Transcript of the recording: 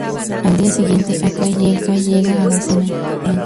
Al día siguiente, Akai llega a la escena del crimen.